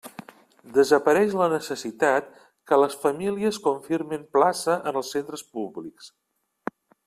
Desapareix la necessitat que les famílies confirmen plaça en els centres públics.